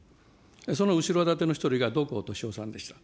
その後ろ盾の１人が、土光利夫さんでした。